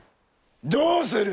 どうする？